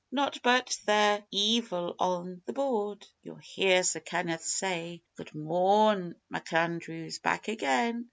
Not but they're ceevil on the Board. Ye'll hear Sir Kenneth say: "Good morrn, McAndrews! Back again?